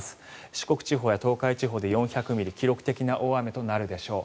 四国地方や東海地方で４００ミリ記録的な大雨となるでしょう。